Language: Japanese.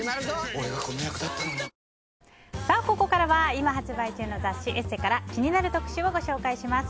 俺がこの役だったのにここからは今発売中の雑誌「ＥＳＳＥ」から気になる特集をご紹介します。